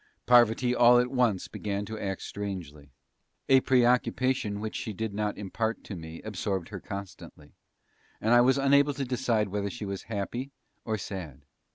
Parvati all at once began to act strangely. A preoccupation which she did not impart to me absorbed her constantly, and I was unable to decide whether she was happy, or sad.